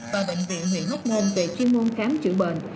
và bệnh viện huyện hốc ngôn về chuyên môn khám chữa bệnh